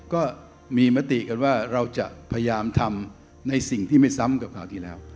ก็มีมติกันว่าเราจะพยายามทำในสิ่งที่ไม่ซ้ำกับคราวที่แล้ว